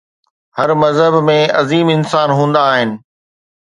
هر مذهب ۾ عظيم انسان هوندا آهن.